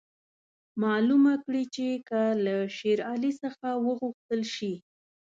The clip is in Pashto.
معلومه کړي چې که له شېر علي څخه وغوښتل شي.